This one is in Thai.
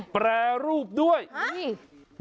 แปรรูปด้วยฮะ